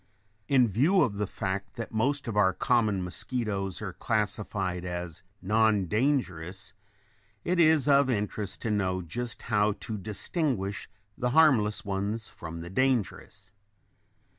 ] In view of the fact that most of our common mosquitoes are classed as non dangerous, it is of interest to know just how to distinguish the harmless ones from the dangerous.